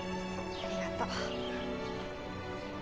ありがとう。